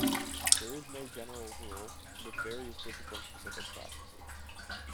There is no general rule, with various discipline-specific practices.